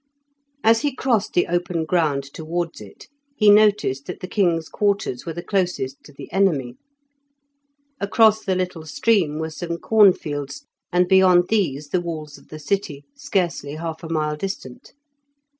As he crossed the open ground towards it, he noticed that the king's quarters were the closest to the enemy. Across the little stream were some corn fields, and beyond these the walls of the city, scarcely half a mile distant.